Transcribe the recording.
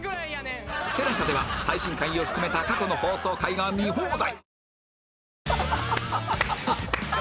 ＴＥＬＡＳＡ では最新回を含めた過去の放送回が見放題